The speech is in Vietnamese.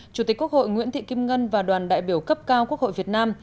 chủ tịch quốc hội nguyễn thị kim ngân và đoàn đại biểu cấp cao quốc hội việt nam